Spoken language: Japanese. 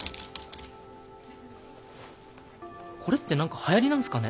これって何かはやりなんすかね？